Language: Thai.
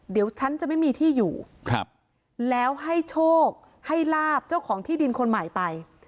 เดี๋ยวฉันจะไม่มีที่อยู่แล้วให้โชคให้ลาบเจ้าของที่ดินคนใหม่ไป